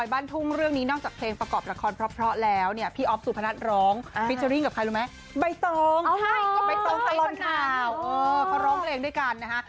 ใบตองใบตองตลอดข่าวพระร้องกันเองด้วยกันนะฮะ